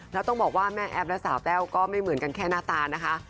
แล้วต้องบอกว่าแม่แอฟและสาวแต้วก็ไม่เหมือนกันแค่หน้าตานะคะ